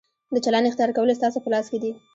د چلند اختیار کول ستاسو په لاس کې دي.